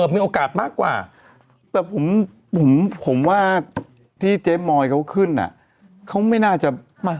มีโอกาสมากกว่าแต่ผมผมว่าที่เจ๊มอยเขาขึ้นเขาไม่น่าจะ